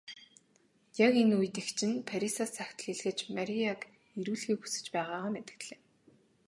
Яг энэ үед эгч нь Парисаас захидал илгээж Марияг ирүүлэхийг хүсэж байгаагаа мэдэгдлээ.